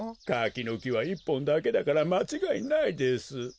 かきのきは１ぽんだけだからまちがいないです。